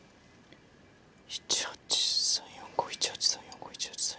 １８３４５１８３４５１８３４５。